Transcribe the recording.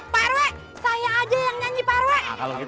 parwe saya aja yang nyanyi parwe